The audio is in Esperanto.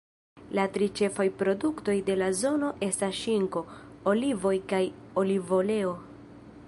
La tri ĉefaj produktoj de la zono estas ŝinko, olivoj kaj olivoleo.